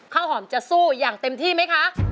ข้าวหอมจะสู้อย่างเต็มที่ไหมคะ